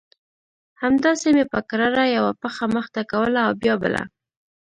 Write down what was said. همداسې مې په کراره يوه پښه مخته کوله او بيا بله.